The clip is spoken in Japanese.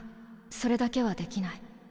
それだけはできない